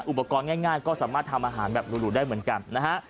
อุปกรณ์ง่ายก็สามารถทำอาหารแบบหรูได้เหมือนกันนะฮะ